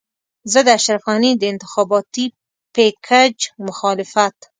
زه د اشرف غني د انتخاباتي پېکج مخالفت.